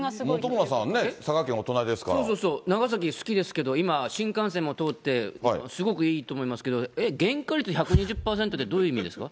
本村さんはね、佐賀県、お隣ですから。そうそうそう、長崎好きですけど、今、新幹線も通って、すごくいいと思いますけど、え、原価率１２０％って、どういう意味ですか？